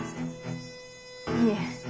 ・いえ。